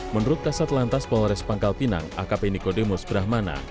menurut kasat lantas polores panggal pinang akp nikodemus brahmana